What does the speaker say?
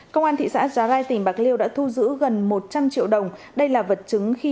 công an thị xã giá rai tỉnh bạc liêu đã thu giữ gần một trăm linh triệu đồng đây là vật chứng khi